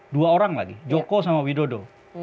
dua orang lagi joko sama widodo